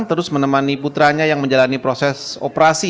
terus menemani putranya yang menjalani proses operasi